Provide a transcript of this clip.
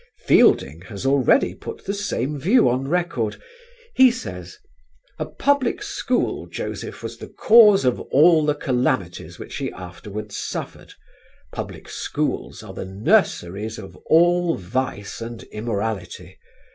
Fielding has already put the same view on record: he says: "A public school, Joseph, was the cause of all the calamities which he afterwards suffered. Public schools are the nurseries of all vice and immorality.